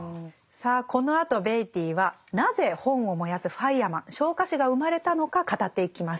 さあこのあとベイティーはなぜ本を燃やすファイアマン昇火士が生まれたのか語っていきます。